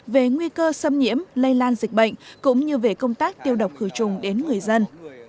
về nguy cơ xâm nhiễm lây lan dịch bệnh cũng như về công tác tiêu độc khử trùng đến người dân